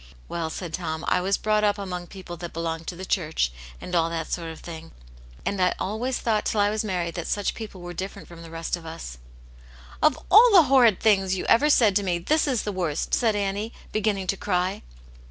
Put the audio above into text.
" Well," said Tom, " I was brought up among f)eople that belong to the church, and all that sort of thing. And I always thought till I was married that such people were different itom tYv^ x^'sX o\ \V5» " Atmt yane^s Hero. 171 '* Of all the horrid things you ever said to me, this is the worst," said Annie, beginning to cry.